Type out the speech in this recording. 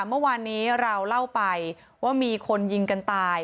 เมื่อวานนี้เราเล่าไปว่ามีคนยิงกันตาย